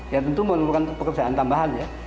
ya tentu memerlukan pekerjaan tambahan ya